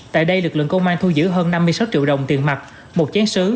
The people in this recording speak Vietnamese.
tại đây lực lượng công an thu giữ hơn năm mươi sáu triệu đồng tiền mặt một chán sứ